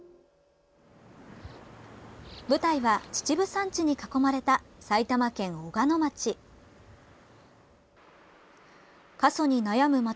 舞台は、秩父山地に囲まれた埼玉県小鹿野町。